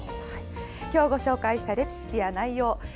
今日ご紹介したレシピや内容